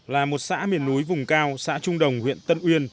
là một xã miền núi vùng cao xã trung đồng huyện tân uyên